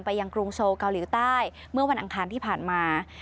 ยังกรุงโซลเกาหลีใต้เมื่อวันอังคารที่ผ่านมา